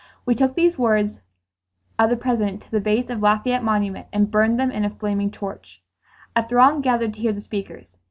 We took these words of the President to the base of Lafayette Monument and burned them in a flaming torch. A throng gathered to hear the speakers.